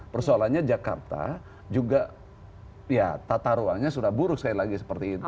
persoalannya jakarta juga ya tata ruangnya sudah buruk sekali lagi seperti itu